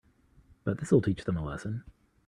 But this'll teach them a lesson.